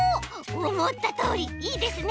おもったとおりいいですね。